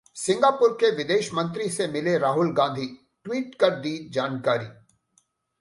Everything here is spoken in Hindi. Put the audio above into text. सिंगापुर के विदेश मंत्री से मिले राहुल गांधी, ट्वीट कर दी जानकारी